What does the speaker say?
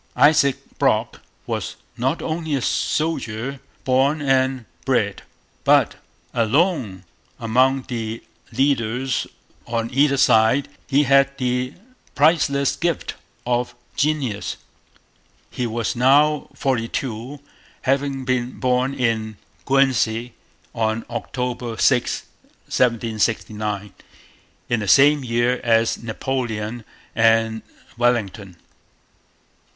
Isaac Brock was not only a soldier born and bred, but, alone among the leaders on either side, he had the priceless gift of genius. He was now forty two, having been born in Guernsey on October 6, 1769, in the same year as Napoleon and Wellington.